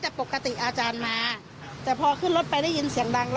แต่ปกติอาจารย์มาแต่พอขึ้นรถไปได้ยินเสียงดังแล้ว